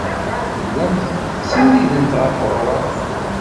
Tellamt tettsennidemt ɣer weɣrab.